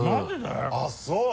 あっそう。